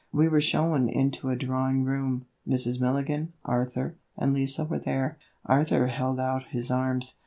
We were shown into a drawing room. Mrs. Milligan, Arthur, and Lise were there. Arthur held out his arms.